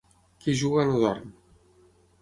Qui juga no dorm.